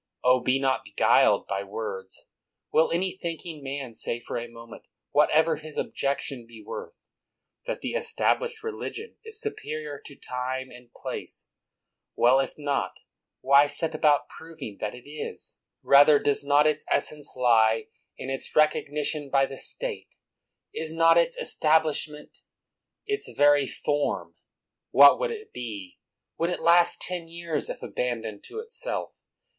Oh, be not beguiled by words ; will any thinking man say for a moment, whatever this objection be worth, that the Established Religion is superior to time and place ? Well, if not, why set about proving that \t is? Kather, does not its essence lie in its rec 217 THE WORLD'S FAMOUS ORATIONS ognition by the State? Is not its establishment its very fm mf What would it be — would it last ten years, if abandoned to itself